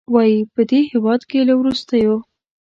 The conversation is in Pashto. وايي، په دې هېواد کې له وروستیو